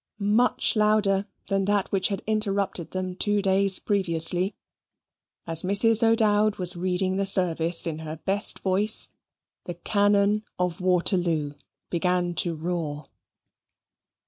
Much louder than that which had interrupted them two days previously, as Mrs. O'Dowd was reading the service in her best voice, the cannon of Waterloo began to roar.